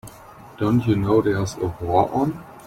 Don't you know there's a war on?